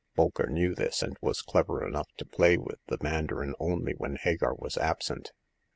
Bolker knew this, and was clever enough to play with the mandarin only when Hagar was absent.